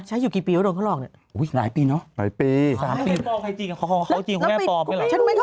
ใช้อยู่กี่ปีว่าโดนเขาลอกเนี่ย